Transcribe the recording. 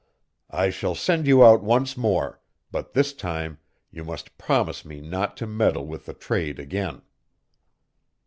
I shall send you out once more, but this time you must promise me not to meddle with the trade again."